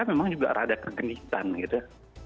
memang juga rada kegenitan gitu ya